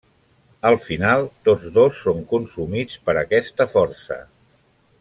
Al final, tots dos són consumits per aquesta força.